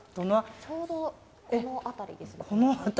ちょうどこの辺りですね。